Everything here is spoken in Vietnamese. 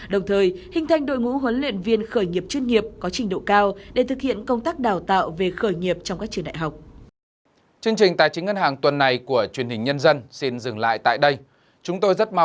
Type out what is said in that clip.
đồng thời hình thành đội ngũ huấn luyện viên khởi nghiệp chuyên nghiệp có trình độ cao để thực hiện công tác đào tạo về khởi nghiệp trong các trường đại học